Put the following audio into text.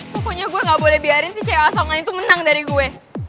pokoknya gue gak boleh biarin si asongan itu menang dari gue